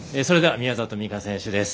宮里美香選手です。